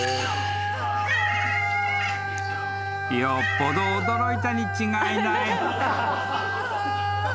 ［よっぽど驚いたに違いない］